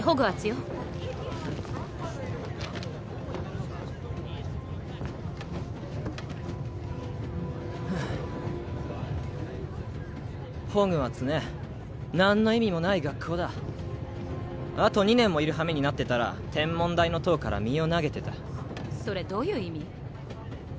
はぁホグワーツね何の意味もない学校だあと２年もいるはめになってたら天文台の塔から身を投げてたそれどういう意味？